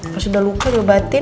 kasih udah luka juga batin